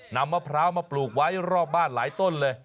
มะพร้าวมาปลูกไว้รอบบ้านหลายต้นเลย